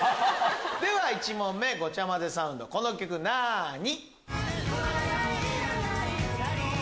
では１問目ごちゃ混ぜサウンドこの曲なに？